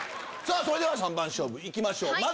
それでは３番勝負行きましょう。